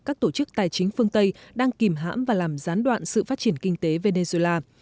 các tổ chức tài chính phương tây đang kìm hãm và làm gián đoạn sự phát triển kinh tế venezuela